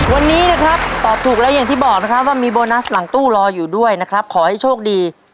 วันนี้นะครับตอบถูกแล้วอย่างที่บอกนะครับว่ามีโบนัสหลังตู้รออยู่ด้วยนะครับขอให้โชคดี